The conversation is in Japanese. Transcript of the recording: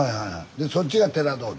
でそっちが寺通り。